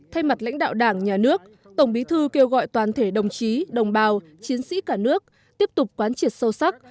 thay mặt lãnh đạo đảng nhà nước tổng bí thư kêu gọi toàn thể đồng chí đồng bào chiến sĩ cả nước tiếp tục quán triệt sâu sắc